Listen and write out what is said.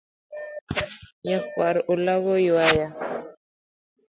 Nyakwar olago ywaya.